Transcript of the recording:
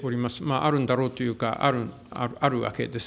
あるんだろうというか、あるわけです。